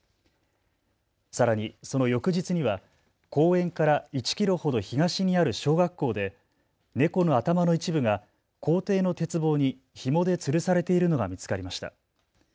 さらに、その翌日には公園から１キロほど東にある小学校で猫の頭の一部が校庭の鉄棒にひもでつるされているのが見つかりました。